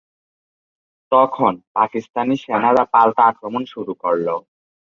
তখন পাকিস্তানি সেনারা পাল্টা আক্রমণ শুরু করল।